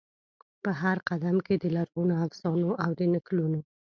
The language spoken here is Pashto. په هرقدم کې د لرغونو افسانو او د نکلونو،